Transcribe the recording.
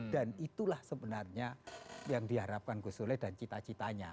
dan itulah sebenarnya yang diharapkan gusole dan cita citanya